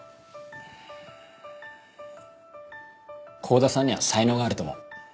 幸田さんには才能があると思う。